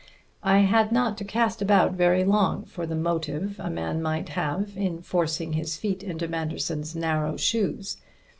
I had not to cast about very long for the motive a man might have in forcing his feet into Manderson's narrow shoes.